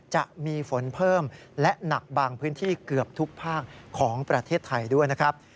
จะมีฝนเพิ่มและหนักบางพื้นที่เกือบทุกภาคของประเทศไทยด้วยนะครับ